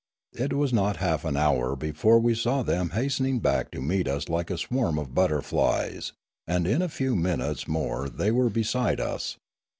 It was not half an hour before we saw them hastening back to meet us like a swarm of butterflies; and in a few minutes more they were beside us.